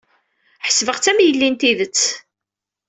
Ḥesbeɣ-tt am yelli n tidet.